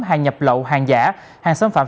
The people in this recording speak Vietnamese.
hàng nhập lậu hàng giả hàng xâm phạm